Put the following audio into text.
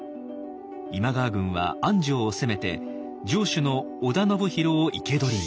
今川軍は安城を攻めて城主の織田信広を生け捕りに。